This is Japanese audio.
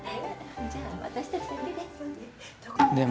じゃ私たちだけで。